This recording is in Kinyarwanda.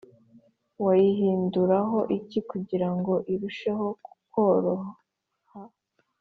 wayihinduraho iki kugira ngo irusheho kukoroha